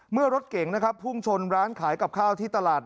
เมื่อรถเก่งนะครับพุ่งชนร้านขายกับข้าวที่ตลาด